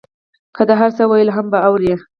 که ده هر څه ویل هغه به اورې.